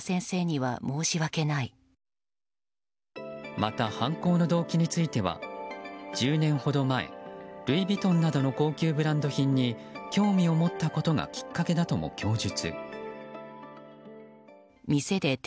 また、犯行の動機については１０年ほど前ルイ・ヴィトンなどの高級ブランド品に興味を持ったことがきっかけだとも供述。